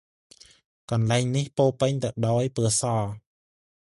កន្លែងនេះពោរពេញទៅដោយពណ៌ស ។